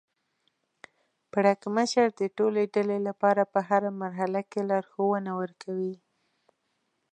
پړکمشر د ټولې ډلې لپاره په هره مرحله کې لارښوونه ورکوي.